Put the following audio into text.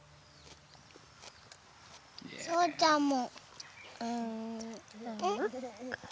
・しょうちゃんも。